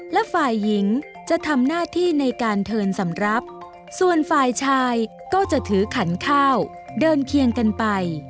และฝ่ายหญิงจะทำหน้าที่ในการเทินสำหรับส่วนฝ่ายชายก็จะถือขันข้าวเดินเคียงกันไป